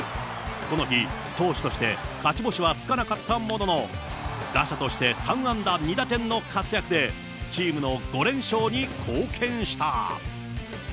この日、投手として勝ち星はつかなかったものの打者として３安打２打点の活躍で、チームの５連勝に貢献した。